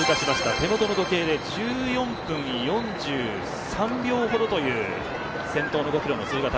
手元の時計で１４分４３秒ほどという先頭５キロの通過。